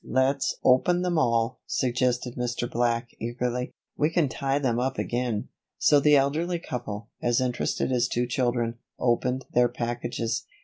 "Let's open them all," suggested Mr. Black, eagerly. "We can tie them up again." So the elderly couple, as interested as two children, opened their packages.